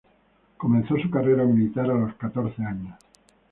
Comenzó su carrera militar a los catorce años.